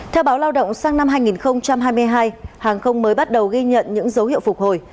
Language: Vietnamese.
theo báo lao động sang năm hai nghìn hai mươi hai hàng không mới bắt đầu ghi nhận những dấu hiệu phục hồi